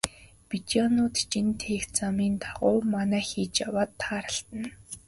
Бедоинууд жин тээх замын дагуу манаа хийж яваад тааралдана.